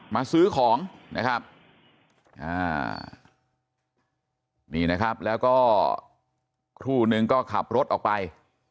มาซื้อของนะครับนี่นะครับแล้วก็ครู่นึงก็ขับรถออกไป